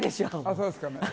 そうですかね？